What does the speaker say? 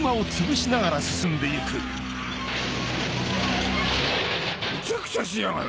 ・むちゃくちゃしやがる。